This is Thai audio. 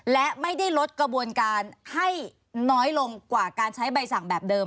และไม่ได้ลดกระบวนการให้น้อยลงกว่าการใช้ใบสั่งแบบเดิม